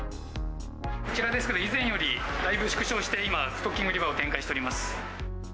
こちらですけど、以前よりだいぶ縮小して今、ストッキング売り場を展開しております。